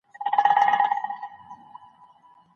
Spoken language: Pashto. هیوادونه په بهرنیو اړیکو کي بې له اصولو عمل نه کوي.